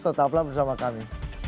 tetaplah bersama kami